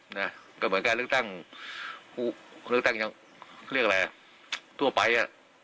นะก็เหมือนการเลือกตั้งผู้เลือกตั้งยังเขาเรียกอะไรอ่ะทั่วไปอ่ะ